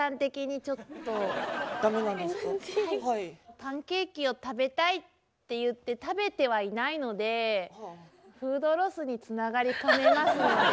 「パンケーキを食べたい」って言って食べてはいないのでフードロスにつながりかねますので。